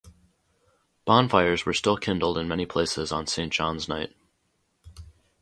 Bonfires were still kindled in many places on St. John's Night.